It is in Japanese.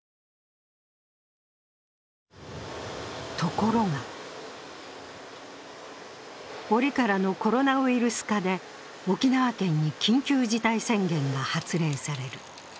ところが折からのコロナウイルス禍で沖縄県に緊急事態宣言が発令される。